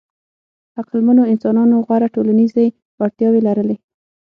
عقلمنو انسانانو غوره ټولنیزې وړتیاوې لرلې.